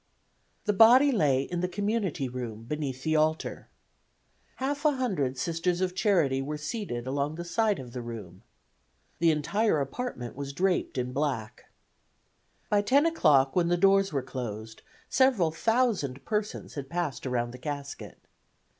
The body lay in the community room, beneath the altar. Half a hundred Sisters of Charity were seated along the side of the room. The entire apartment was draped in black. By 10 o'clock, when the doors were closed, several thousand persons had passed around the casket.